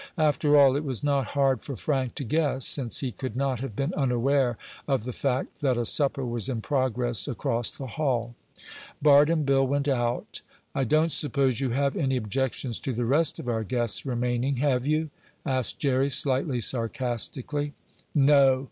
After all, it was not hard for Frank to guess, since he could not have been unaware of the fact that a supper was in progress across the hall. Bart and Bill went out. "I don't suppose you have any objections to the rest of our guests remaining, have you?" asked Jerry, slightly sarcastically. "No!"